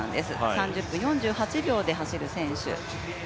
３０分４８秒で走る選手。